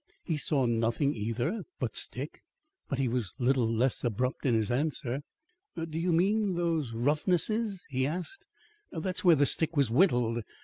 He saw nothing either but stick. But he was little less abrupt in his answer. "Do you mean those roughnesses?" he asked. "That's where the stick was whittled.